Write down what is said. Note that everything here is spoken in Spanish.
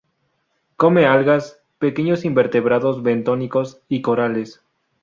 Come algas, pequeños invertebrados bentónicos y corales.